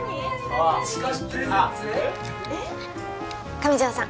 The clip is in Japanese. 上条さん